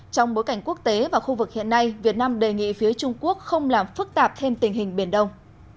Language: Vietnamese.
trong bối cảnh quốc tế và khu vực hiện nay việt nam đề nghị phía trung quốc không làm phức tạp thêm tình hình biển đông